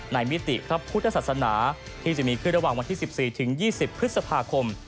มิติพระพุทธศาสนาที่จะมีขึ้นระหว่างวันที่๑๔ถึง๒๐พฤษภาคม